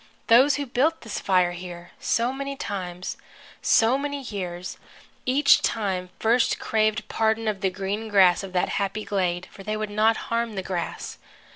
Those who built this fire here, so many times, so many years, each time first craved pardon of the green grass of that happy glade, for they would not harm the grass.